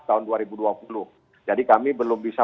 tahun dua ribu dua puluh jadi kami belum bisa